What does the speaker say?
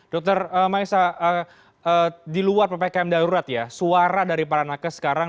dr maisa di luar ppkm darurat ya suara dari para nakes sekarang